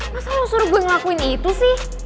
masa lo suruh gue ngelakuin itu sih